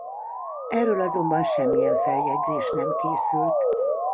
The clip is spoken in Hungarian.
Erről azonban semmilyen feljegyzés nem készült.